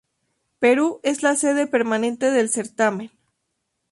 Perú es la sede permanente del certamen.